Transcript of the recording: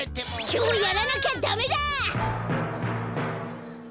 きょうやらなきゃダメだ！